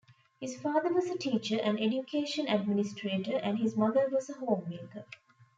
His father was a teacher and education administrator and his mother was a homemaker.